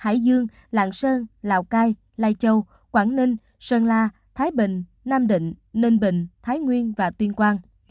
hải dương lạng sơn lào cai lai châu quảng ninh sơn la thái bình nam định ninh bình thái nguyên và tuyên quang